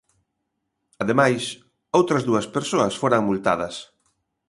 Ademais, outras dúas persoas foran multadas.